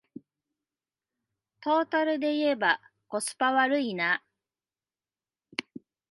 トータルでいえばコスパ悪いな